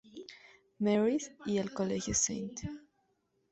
Mary's" y al colegio "St.